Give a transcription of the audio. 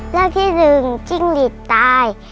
เรื่องที่หนึ่งจิ้งหลีกตาย